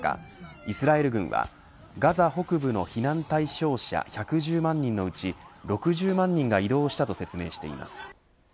イスラエル軍はガザ北部の避難対象者１１０万人のうち６０万人が移動したと説明しています。